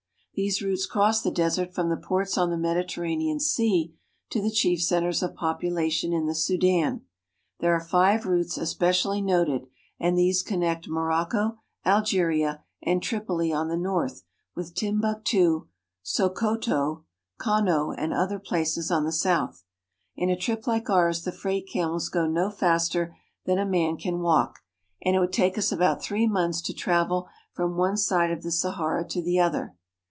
These routes cross the desert from the ports on the Mediterranean Sea to the chief centers of population in the Sudan. There are five routes especially noted, and these connect Morocco, Algeria, and Tripoli on the north with Timbuktu, Sokoto (so'ko to), Kano (ka no'), and other places on the south. In a trip like ours the freight camels go no faster than a man can walk, and it would take us about three months to travel from one side of the Sahara to the other.